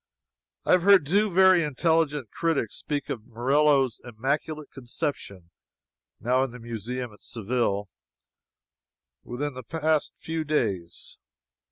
I have heard two very intelligent critics speak of Murillo's Immaculate Conception (now in the museum at Seville,) within the past few days.